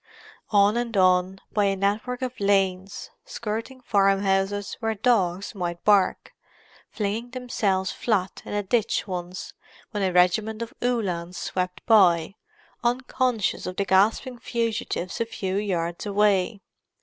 On and on, by a network of lanes, skirting farmhouses where dogs might bark; flinging themselves flat in a ditch once, when a regiment of Uhlans swept by, unconscious of the gasping fugitives a few yards away.